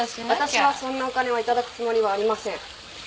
私はそんなお金は頂くつもりはありません。